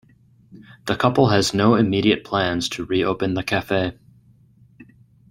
The couple has no immediate plans to re-open the cafe.